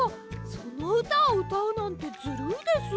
そのうたをうたうなんてずるいです！